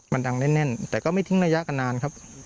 มันดังแน่นแต่ก็ไม่ทิ้งระยะกันนานครับ